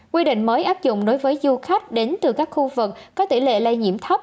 quy định mới áp dụng đối với du khách đến từ các khu vực có tỷ lệ lây nhiễm thấp